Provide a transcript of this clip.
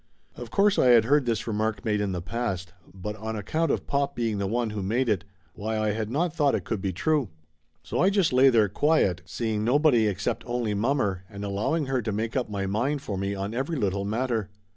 Of course I had heard this remark made in the past, but on account of pop being the one who made it, why I had not thought it could be true. So I just lay there quiet, seeing nobody except only mommer, and allowing her to make up my mind for me on every little matter.